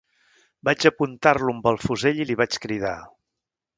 Vaig apuntar-lo amb el fusell i li vaig cridar: